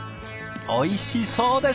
おいしそうです。